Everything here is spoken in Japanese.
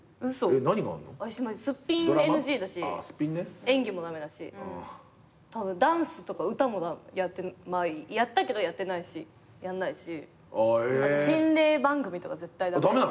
何があんの？すっぴんＮＧだし演技も駄目だしダンスとか歌もまあやったけどやってないしやんないし心霊番組とか絶対駄目。